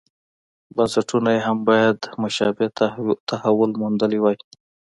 بنسټونو یې هم باید مشابه تحول موندلی وای.